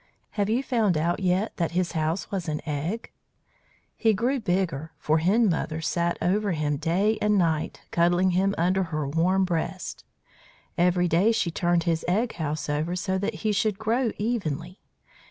Have you found out yet that his house was an egg? He grew bigger, for Hen Mother sat over him day and night, cuddling him under her warm breast. Every day she turned his egg house over so that he should grow evenly.